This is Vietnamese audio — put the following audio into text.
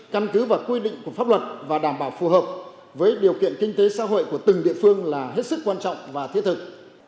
căn cứ và quy định của pháp luật và đảm bảo phù hợp với điều kiện kinh tế xã hội của từng địa phương là hết sức quan trọng và thiết thực